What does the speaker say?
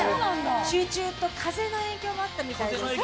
集中と風の影響もあったみたい。